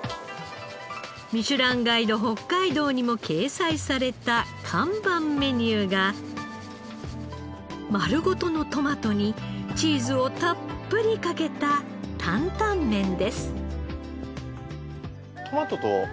『ミシュランガイド北海道』にも掲載された看板メニューがまるごとのトマトにチーズをたっぷりかけた担々麺です。